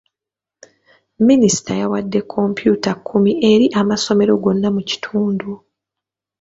Minisita awadde kompyuta kkumi eri amasomero gonna mu kitundu.